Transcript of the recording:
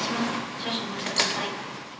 少々お待ちください。